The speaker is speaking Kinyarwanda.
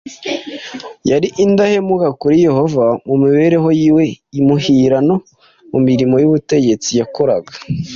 Yari indahemuka kuri Yehova mu mibereho y’iwe imuhira no mu mirimo y’ubutegetsi yakoraga.